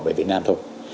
về việt nam thôi